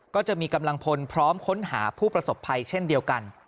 ก็จะมีกำลังพลพร้อมค้นหาผู้ประสบภัยเช่นเดียวกัน